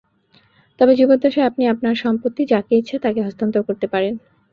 তবে জীবদ্দশায় আপনি আপনার সম্পত্তি যাকে ইচ্ছা তাকে হস্তান্তর করতে পারেন।